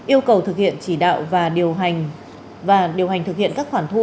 yêu cầu thực hiện chỉ đạo và điều hành thực hiện các khoản thu